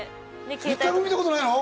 一回も見たことないの？